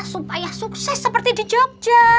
supaya sukses seperti di jogja